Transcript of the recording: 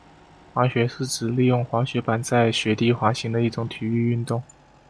滑雪是指利用滑雪板在雪地滑行的一种体育运动。